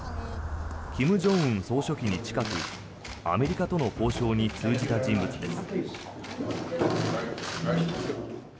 金正恩総書記に近くアメリカとの交渉に通じた人物です。